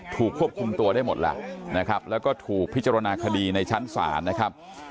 ถูกควบคุมตัวได้หมดแล้วนะครับแล้วก็ถูกพิจารณาคดีในชั้นศาลนะครับ